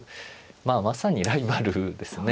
まあまさにライバルですね。